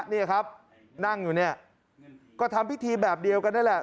นี่ครับนั่งอยู่เนี่ยก็ทำพิธีแบบเดียวกันนั่นแหละ